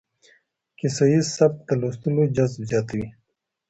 کيسه ييز سبک د لوستلو جذب زياتوي.